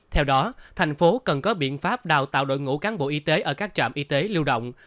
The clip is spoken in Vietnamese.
theo đó thành phố cần có biện pháp đào tạo đội ngũ cán bộ y tế ở các trạm y tế lưu động